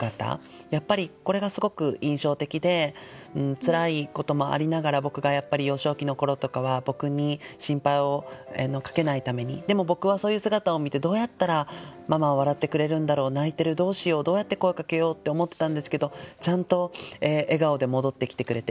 やっぱりこれがすごく印象的でつらいこともありながら僕がやっぱり幼少期の頃とかは僕に心配をかけないためにでも僕はそういう姿を見てどうやったらママは笑ってくれるんだろう泣いてるどうしようどうやって声かけようって思ってたんですけどちゃんと笑顔で戻ってきてくれて。